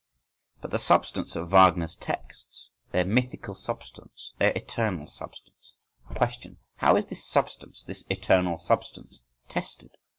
… —"But the substance of Wagner's texts! their mythical substance, their eternal substance"—Question: how is this substance, this eternal substance tested?